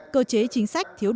cơ chế chính sách thiếu tính